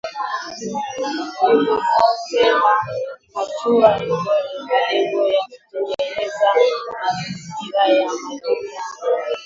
Limesema hatua hiyo ina lengo la kutengeneza mazingira ya majadiliano.